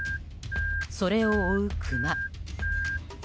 それを追うクマ。